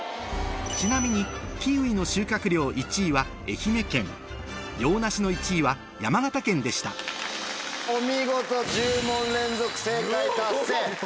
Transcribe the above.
ちなみにキウイの収穫量１位は愛媛県洋梨の１位は山形県でしたお見事！